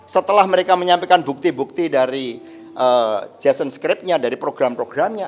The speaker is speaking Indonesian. setelah mereka menyampaikan bukti bukti dari jason script nya dari program programnya